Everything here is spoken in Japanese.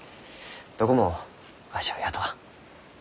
どこもわしを雇わん。